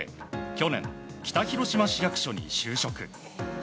去年、北広島市役所に就職。